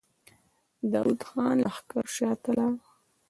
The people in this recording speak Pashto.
د داوود خان لښکر شاته لاړ.